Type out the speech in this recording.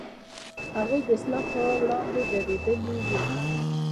هغوی د اصلاح پر وړاندې درېدلي و.